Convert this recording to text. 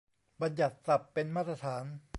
บัญญัติศัพท์เป็นมาตรฐาน